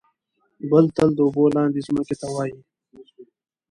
بل تل د اوبو لاندې ځمکې ته وايي.